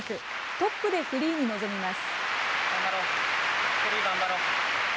トップでフリーに臨みます。